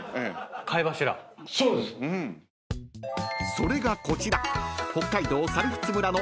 ［それがこちら］